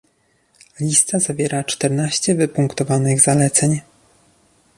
List zawiera czternaście wypunktowanych zaleceń